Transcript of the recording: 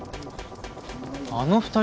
あの二人